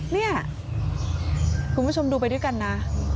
เนี่ยคุณผู้ชมดูไปด้วยกันนะ